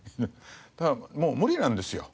ただもう無理なんですよ。